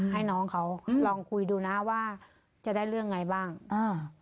ให้น้องเขาลองคุยดูนะว่าจะได้เรื่องไงบ้างอ่า